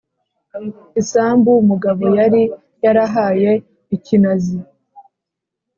Isambu umugabo yari yarahashye i Kinazi